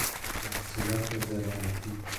محصولات زراعتی